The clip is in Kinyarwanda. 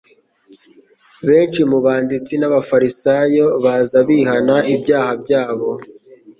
Benshi mu banditsi n'Abafarisayo baza bihana ibyaha byabo,